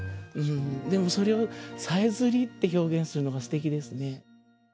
でもそれを「さえずり」って表現するのがすてきですね。